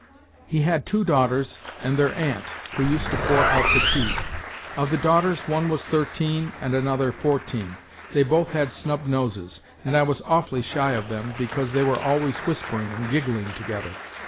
He had two daughters and their aunt, who used to pour out the tea. Of the daughters one was thirteen and another fourteen, they both had snub noses, and I was awfully shy of them because they were always whispering and giggling together.